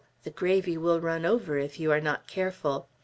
The gravy will run over if you are not careful.